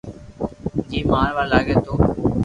جيم ماروا لاگي تو